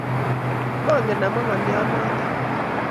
mangen amwaa ngolyonoto